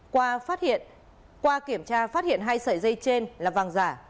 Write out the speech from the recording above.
qua kiểm tra phát hiện hai sợi dây trên là vàng giả